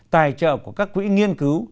tài trợ của các quỹ nghiên cứu